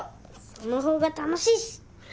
その方が楽しいし。